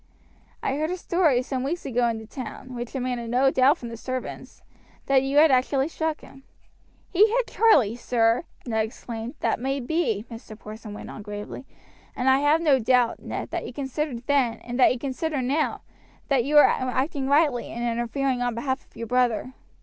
I heard a story some weeks ago in the town, which emanated no doubt from the servants, that you had actually struck him." "He hit Charlie, sir," Ned exclaimed. "That may be," Mr. Porson went on gravely; "and I have no doubt, Ned, that you considered then, and that you consider now, that you were acting rightly in interfering on behalf of your brother.